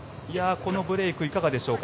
このブレークいかがでしょうか。